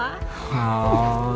selamat sekali lagi sayang